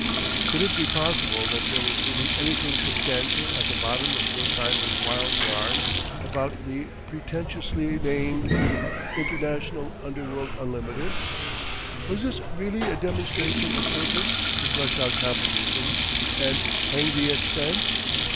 Could it be possible that there was really anything substantial at the bottom of Wertheimer's wild yarn about the pretentiously named "International Underworld Unlimited"? Was this really a demonstration of purpose to crush out competition "and hang the expense"?